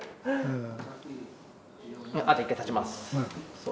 あと一回立ちます。